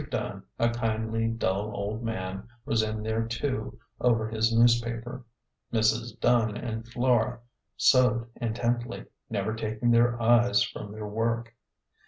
Dunn, a kindly, dull old man, was in there too, over his newspaper. Mrs. Dunn and Flora sewed intently, never taking their eyes from their work.